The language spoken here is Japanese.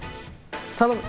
頼む！